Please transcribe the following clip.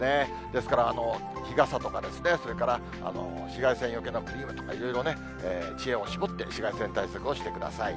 ですから、日傘とかそれから紫外線よけのクリームとか、いろいろ知恵を絞って、紫外線対策をしてください。